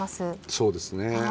そうですね。